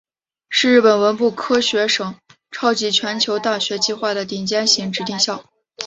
是日本文部科学省超级全球大学计划的顶尖型指定校。